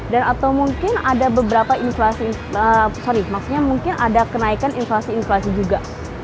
dan atau mungkin ada beberapa inflasi sorry maksudnya mungkin ada kenaikan inflasi inflasi juga